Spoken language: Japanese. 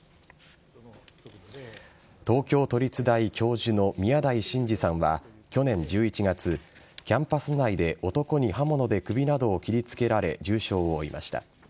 東京都立大教授の宮台真司さんは去年１１月、キャンパス内で男に刃物で首などを切りつけられ重傷を負いました。